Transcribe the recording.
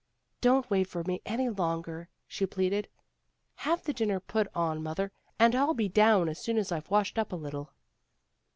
" Don't wait for me any longer," she pleaded. "Have the dinner put on, mother, and I'll be down as soon as I've washed up a little."